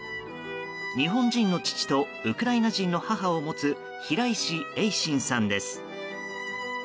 日本人の父とウクライナ人の母を持つ平石英心さんです。